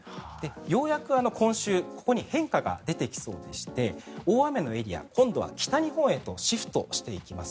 ようやく今週ここに変化が出てきそうでして大雨のエリア、今度は北日本へとシフトしていきます。